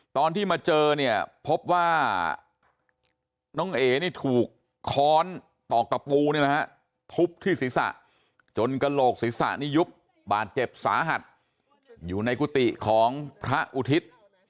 ตอนที่มาเจอเนี่ยพบว่าน้องเอ๋นี่ถูกค้อนตอกตะปูนี่แหละฮะทุบที่ศีรษะจนกระโหลกศีรษะนี่ยุบบาดเจ็บสาหัสอยู่ในกุฏิของพระอุทิศ